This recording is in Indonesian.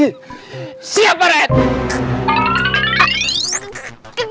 situasinya serem banget